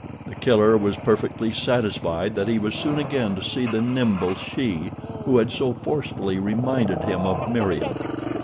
The Killer was perfectly satisfied that he was soon again to see the nimble she who had so forcefully reminded him of Meriem.